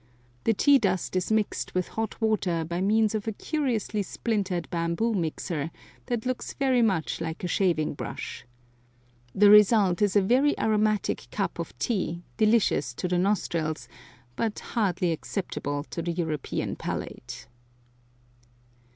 The tea dust is mixed with hot water by means of a curiously splintered bamboo mixer that looks very much like a shaving brush. The result is a very aromatic cup of tea, delicious to the nostrils, but hardly acceptable to the European palate.